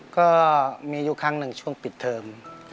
ก็มีอยู่ครั้งหนึ่งช่วงปิดเทอม